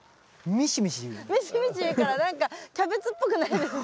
ミシミシいうから何かキャベツっぽくないですね。